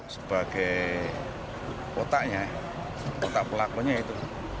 sebagai kotaknya kotak pelakonnya itu